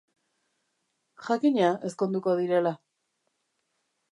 Jakina ezkonduko direla!